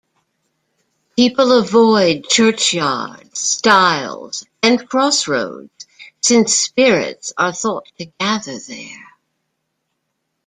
People avoid churchyards, stiles, and crossroads, since spirits are thought to gather there.